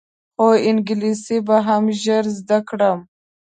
خو انګلیسي به هم ژر زده کړم.